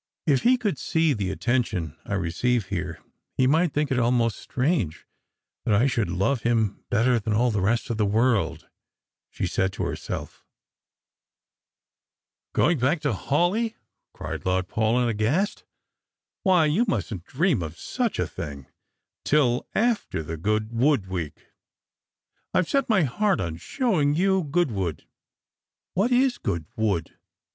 *' If he could see the attention 1. receive here, h3 might think it almost strange that I should love him better than ali ♦h© rest of the world," ahe said to herself. Strangers and Pilginms. 0^169 " Going back to Hawleigh !" cried Lord Paulyn aghast. " Why, you mustn't dream of such a thing till after the Good * wood week ! I have set my heart on showing you Goodwood." " What is Goodwood